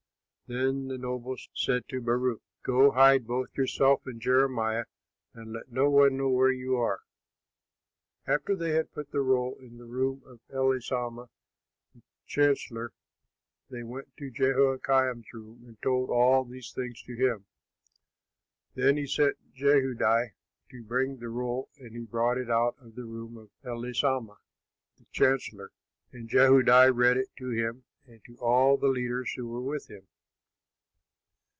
Then the nobles said to Baruch, "Go, hide both yourself and Jeremiah, and let no one know where you are." But after they had put the roll in the room of Elishama, the chancellor, they went to Jehoiakim's room, and told all these things to him. Then he sent Jehudi to bring the roll, and he brought it out of the room of Elishama, the chancellor. And Jehudi read it to him and to all the leaders who were with him.